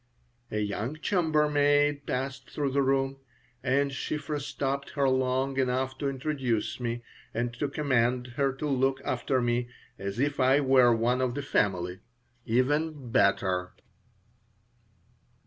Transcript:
A young chambermaid passed through the room, and Shiphrah stopped her long enough to introduce me and to command her to look after me as if I were one of the family "even better."